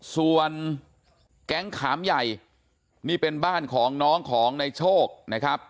ส่วนแก๊งขามใหญ่นี่เป็นบ้านของน้องของในโชคนะครับ